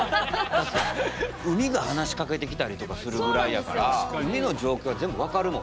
海が話しかけてきたりとかするぐらいやから海の状況は全部分かるもんね。